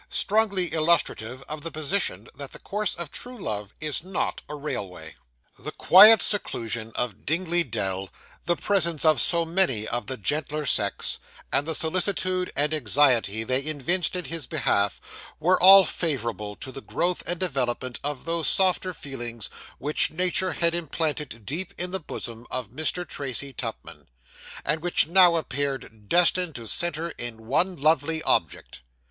STRONGLY ILLUSTRATIVE OF THE POSITION, THAT THE COURSE OF TRUE LOVE IS NOT A RAILWAY The quiet seclusion of Dingley Dell, the presence of so many of the gentler sex, and the solicitude and anxiety they evinced in his behalf, were all favourable to the growth and development of those softer feelings which nature had implanted deep in the bosom of Mr. Tracy Tupman, and which now appeared destined to centre in one lovely object.